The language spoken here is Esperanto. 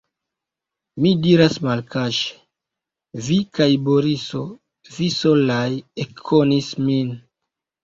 Mi diras malkaŝe: vi kaj Boriso, vi solaj ekkonis min.